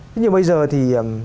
nhưng mà bây giờ thì